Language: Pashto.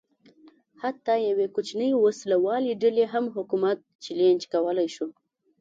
حتی یوې کوچنۍ وسله والې ډلې هم حکومت چلنج کولای شو.